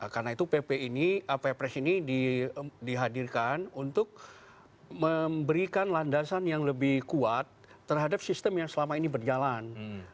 karena itu pp ini pp pres ini dihadirkan untuk memberikan landasan yang lebih kuat terhadap sistem yang selama ini berjalan